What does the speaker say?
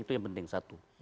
itu yang penting satu